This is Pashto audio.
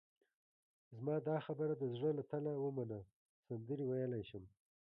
زما دا خبره د زړه له تله ومنه، سندرې ویلای شم.